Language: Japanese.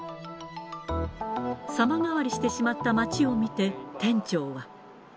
さま変わりしてしまった街を見て、店長は。